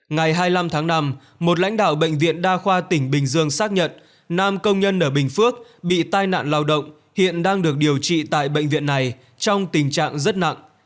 ngày hai mươi năm tháng năm một lãnh đạo bệnh viện đa khoa tỉnh bình dương xác nhận nam công nhân ở bình phước bị tai nạn lao động hiện đang được điều trị tại bệnh viện này trong tình trạng rất nặng